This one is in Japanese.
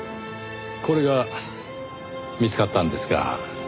これが見つかったんですが。